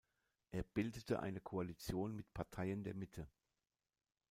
Er bildete eine Koalition mit Parteien der Mitte.